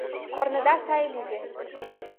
Корныда сай лийже!